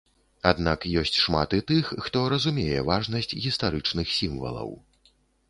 Аднак ёсць шмат і тых, хто разумее важнасць гістарычных сімвалаў.